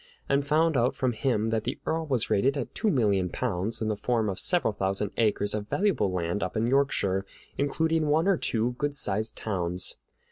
and found out from him that the Earl was rated at two million pounds, in the form of several thousand acres of valuable land up in Yorkshire, including one or two good sized towns.